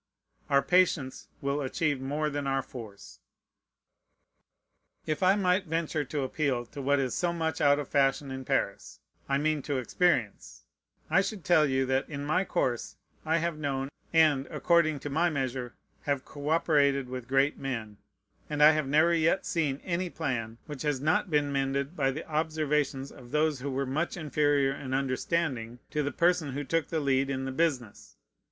Our patience will achieve more than our force. If I might venture to appeal to what is so much out of fashion in Paris, I mean to experience, I should tell you, that in my course I have known, and, according to my measure, have coöperated with great men; and I have never yet seen any plan which has not been mended by the observations of those who were much inferior in understanding to the person who took the lead in the business.